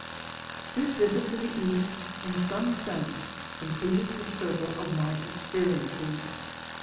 This visit to the East in some sense completed the circle of my experiences.